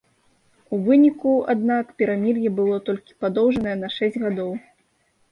У выніку, аднак, перамір'е было толькі падоўжанае на шэсць гадоў.